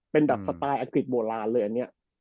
เป็นแบบสไตล์อังกฤษโบราณเลยอันนี้